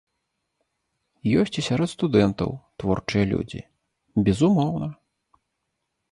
Ёсць і сярод студэнтаў творчыя людзі, безумоўна.